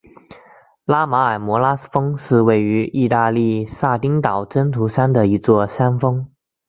拉马尔摩拉峰是位于义大利撒丁岛真图山的一座山峰。